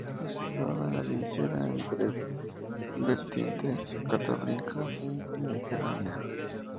Está situada en la divisoria entre la vertiente cantábrica y la mediterránea.